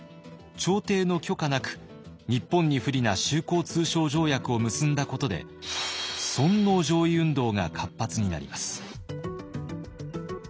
朝廷の許可なく日本に不利な修好通商条約を結んだことで尊皇攘夷運動が活発になります。